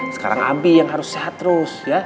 sekarang ambil yang harus sehat terus ya